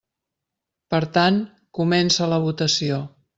Per tant, comença la votació.